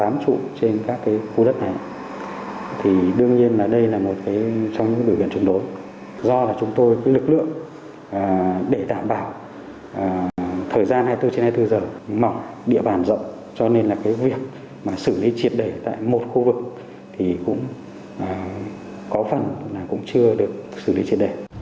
mà xử lý triệt đẩy tại một khu vực thì cũng có phần là cũng chưa được xử lý triệt đẩy